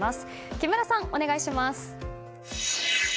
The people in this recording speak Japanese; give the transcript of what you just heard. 木村さん、お願いします。